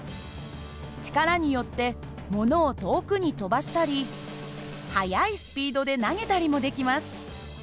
力によってものを遠くに飛ばしたり速いスピードで投げたりもできます。